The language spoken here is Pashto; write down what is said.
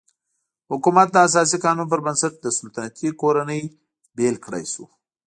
حکومت د اساسي قانون پر بنسټ له سلطنتي کورنۍ نه بېل کړای شو.